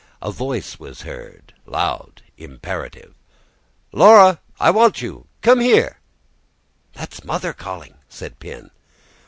A voice was heard, loud, imperative. "Laura, I want you. Come here." "That's mother calling," said Pin.